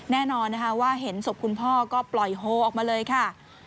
แน่นอนนะคะว่าเห็นศพคุณพ่อก็ปล่อยโฮออกมาเลยค่ะ